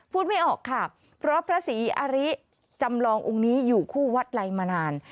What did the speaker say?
ไม่ออกค่ะเพราะพระศรีอริจำลององค์นี้อยู่คู่วัดไลมานาน